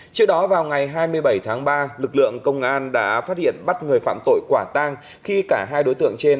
trước đó vào ngày hai mươi bảy tháng ba lực lượng công an đã phát hiện bắt người phạm tội quả tang khi cả hai đối tượng trên